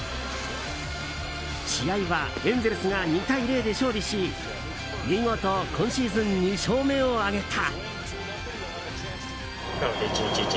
試合はエンゼルスが２対０で勝利し見事、今シーズン２勝目を挙げた。